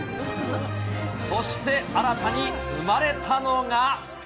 そして新たに生まれたのが。